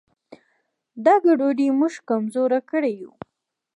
دا ګډوډي موږ کمزوري کړي یو.